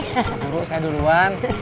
pak guru saya duluan